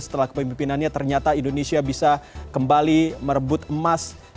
setelah kepemimpinannya ternyata indonesia bisa kembali merebut emas